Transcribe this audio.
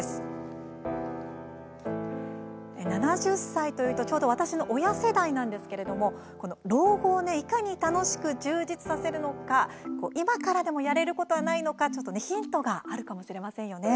７０歳というとちょうど私の親世代なんですけれども老後をいかに楽しく充実させるのか今からでもやれることはないのかヒントがあるかもしれませんよね。